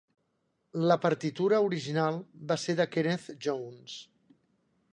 La partitura original va ser de Kenneth Jones.